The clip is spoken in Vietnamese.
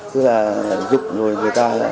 tức là giúp người ta